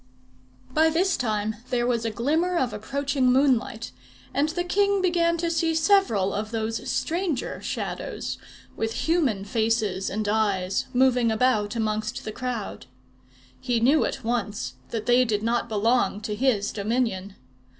By this time there was a glimmer of approaching moonlight, and the king began to see several of those stranger Shadows, with human faces and eyes, moving about amongst the crowd. He knew at once that they did not belong to his dominion.